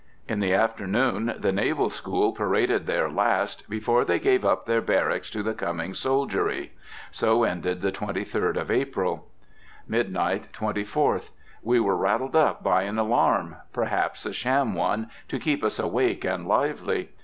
In the afternoon the Naval School paraded their last before they gave up their barracks to the coming soldiery. So ended the 23d of April. Midnight, 24th. We were rattled up by an alarm, perhaps a sham one, to keep us awake and lively.